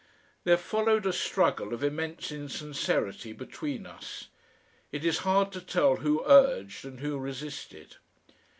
There followed a struggle of immense insincerity between us. It is hard to tell who urged and who resisted.